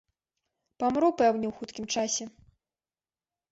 Памру, пэўне, у хуткім часе.